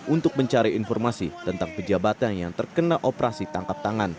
untuk mencari informasi tentang pejabatnya yang terkena operasi tangkap tangan